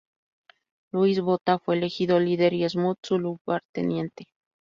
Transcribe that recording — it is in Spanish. Louis Botha fue elegido líder y Smuts su lugarteniente.